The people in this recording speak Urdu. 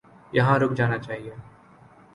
یہاں رک جانا چاہیے۔